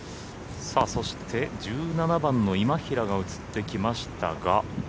そして１７番の今平が映ってきましたが。